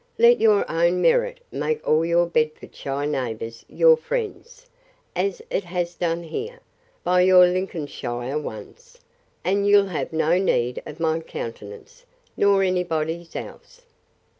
Let your own merit make all your Bedfordshire neighbours your friends, as it has done here, by your Lincolnshire ones; and you'll have no need of my countenance, nor any body's else.